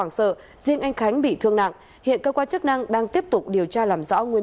sợ riêng anh khánh bị thương nặng hiện cơ quan chức năng đang tiếp tục điều tra làm rõ nguyên